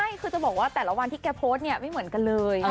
ใช่คือจะบอกว่าแต่ละวันที่แกโพสต์เนี่ยไม่เหมือนกันเลย